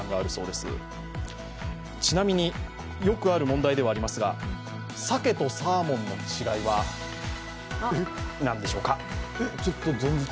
ちなみに、よくある問題ではありますが、さけとサーモンの違いは何でしょうか。